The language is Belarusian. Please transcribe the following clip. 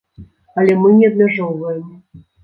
Але мы не абмяжоўваем.